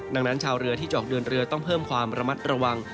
ดังนั้นชาวเรือที่จะออกเดินเรือต้องเพิ่มความระมัดระวัง